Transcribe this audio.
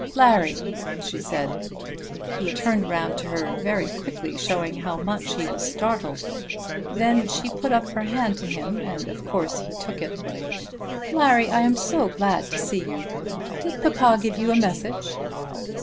"Larry," she said. He turned round to her very quickly, showing how much he was startled. Then she put up her hand to him, and of course he took it. "Larry, I am so glad to see you. Did papa give you a message?"